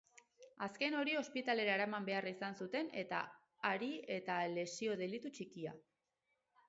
Azken hori ospitalera eraman behar izan zuten, eta hari ere lesio-delitu txikia.